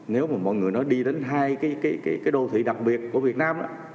nếu mà mọi người nói đi đến hai cái đô thị đặc biệt của việt nam đó